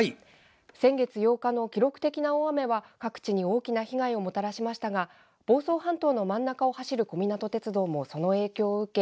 先月８日の記録的な大雨は各地に大きな被害をもたらしましたが房総半島の真ん中を走る小湊鐵道も、その影響を受け